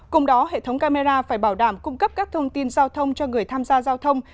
cùng đó hệ thống camera phải bảo đảm cung cấp các thông tin giao thông cho người tham gia giao thông